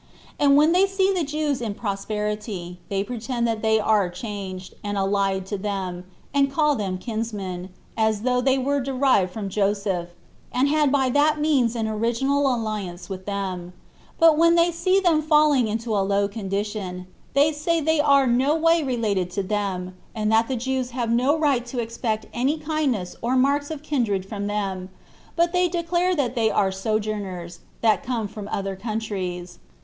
And when they see the Jews in prosperity, they pretend that they are changed, and allied to them, and call them kinsmen, as though they were derived from Joseph, and had by that means an original alliance with them; but when they see them falling into a low condition, they say they are no way related to them, and that the Jews have no right to expect any kindness or marks of kindred from them, but they declare that they are sojourners, that come from other countries.